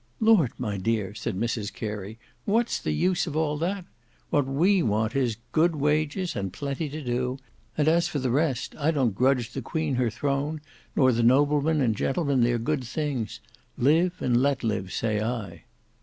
"Lord, my dear," said Mrs Carey; "what's the use of all that? What we want is, good wages and plenty to do; and as for the rest, I don't grudge the Queen her throne, nor the noblemen and gentlemen their good things. Live and let live say I."